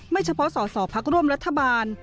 ไม่เฉพาะส่อพักร่วมรัฐบาล